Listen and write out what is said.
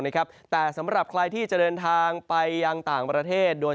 แต่สำหรับใครที่จะเดินทางไปยังต่างประเทศโดย